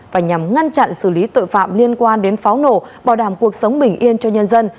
và nhằm ngăn chặn xử lý tội phạm liên quan đến pháo nổ bảo đảm cuộc sống bình yên cho nhân dân